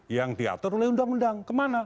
yang diatur oleh undang undang kemana